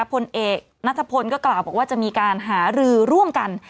พลเอกนัทพลก็กล่าวบอกว่าจะมีการหารือร่วมกัน